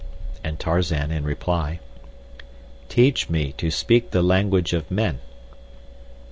And Tarzan, in reply: Teach me to speak the language of men.